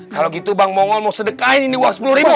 kalau gitu bang mongol mau sedekahin ini uang sepuluh ribu